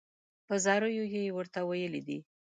په زاریو یې ورته ویلي دي.